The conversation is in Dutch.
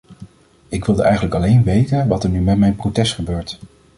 Ik wilde eigenlijk alleen weten wat er nu met mijn protest gebeurt.